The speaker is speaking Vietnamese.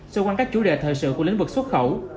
sơ quan các chủ đề thời sự của lĩnh vực xuất khẩu